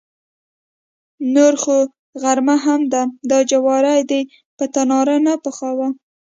نوره خو غرمه هم ده، دا جواری دې په تناره نه پخاوه.